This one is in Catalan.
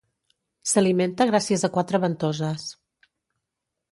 S'alimenta gràcies a quatre ventoses.